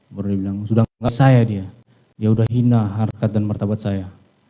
baru dia bilang sudah tidak saya dia dia sudah hina harkat dan martabat saya